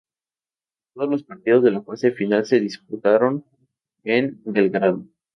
Todos los partidos de la fase final se disputaron en Belgrado.